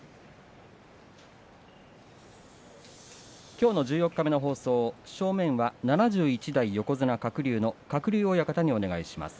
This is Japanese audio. きょうの十四日目の放送正面は７１代横綱鶴竜の鶴竜親方にお願いします。